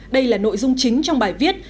đây là nội dung chính trong bài viết